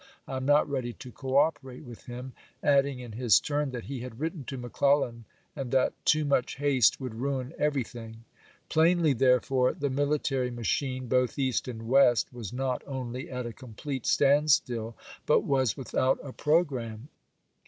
I am not ready to cooperate with him," adding in his turn that he had written to Mc Clellan, and that too much haste would ruin every thing. Plainly, therefore, the military machine, both East and West, was not only at a complete standstill, but was without a programme.